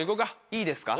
いいですか？